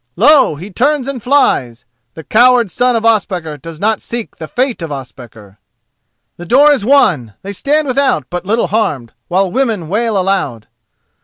Lo! he turns and flies. The coward son of Ospakar does not seek the fate of Ospakar! The door is won. They stand without but little harmed, while women wail aloud.